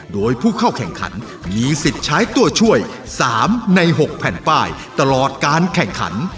โดยผู้เข้าแข่งขันมีสิทธิ์ใช้ตัวช่วย๓ใน๖แผ่นป้ายตลอดการแข่งขัน